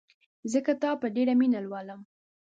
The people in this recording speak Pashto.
زه کتاب په ډېره مینه لولم.